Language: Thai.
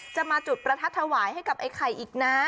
จะมาจุดประทัดถวายให้กับไอ้ไข่อีกนะ